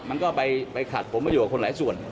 มันก็ไปขัดผมไม่อยู่กับคนหลายส่วน